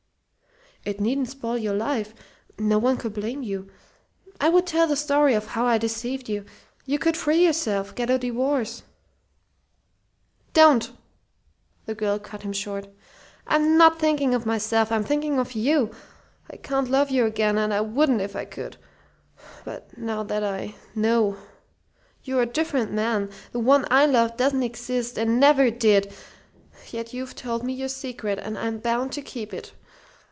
"It needn't spoil your life. No one could blame you. I would tell the story of how I deceived you. You could free yourself get a divorce " "Don't!" the girl cut him short. "I'm not thinking of myself. I'm thinking of you. I can't love you again, and I wouldn't if I could, now that I know. You're a different man. The one I loved doesn't exist and never did; yet you've told me your secret, and I'm bound to keep it.